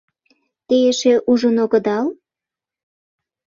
Те эше ужын огыдал?